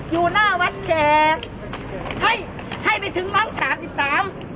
อยู่หน้าวัดแขกเฮ้ยให้ไปถึงร้อยสามสิบสาม